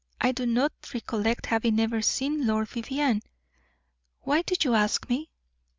I do not recollect having ever seen Lord Vivianne. Why do you ask me?"